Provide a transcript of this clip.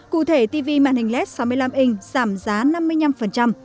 cụ thể tv màn hình led sáu mươi năm inch giảm giá năm mươi năm